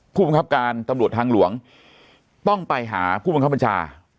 ผู้ประกอบการตำรวจทางหลวงต้องไปหาผู้ประกอบบัญชา